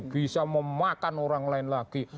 bisa memakan orang lain lagi